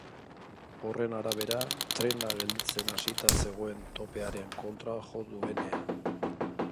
Horren arabera, trena gelditzen hasita zegoen topearen kontra jo duenean.